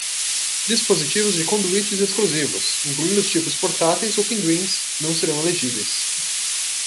Dispositivos de conduítes exclusivos, incluindo os tipos portáteis ou pinguins, não serão elegíveis.